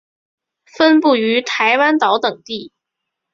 分布于台湾岛等地。